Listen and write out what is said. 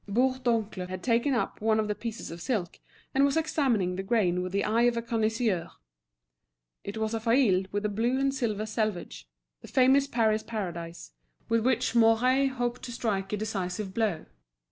Bourdoncle had taken up one of the pieces of silk, and was examining the grain with the eye of a connoisseur. It was a faille with a blue and silver selvage, the famous Paris Paradise, with which Mouret hoped to strike a decisive blow.